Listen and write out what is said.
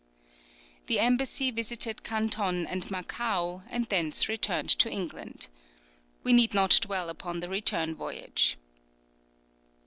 The embassy visited Canton and Macao, and thence returned to England. We need not dwell upon the return voyage.